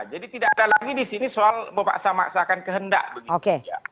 jadi tidak ada lagi di sini soal memaksa maksakan kehendak begitu